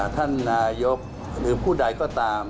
ท่านนายกหรือผู้ใดก็ตาม